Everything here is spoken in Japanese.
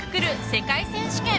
世界選手権。